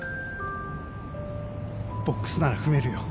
ボックスなら踏めるよ。